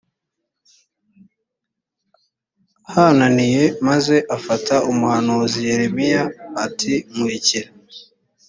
hananiya maze afata umuhanuzi yeremiya ati nkurikira